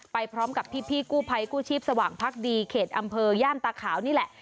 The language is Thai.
ไปพร้อมกับพี่กู้ภัยกู้ชีพสว่างพักดีเขตอำเภอย่านตาขาวนี่แหละ